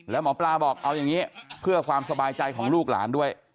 แล้วหมอปลาบอกเอาอย่างนี้เพื่อความสบายใจของลูกหลานด้วย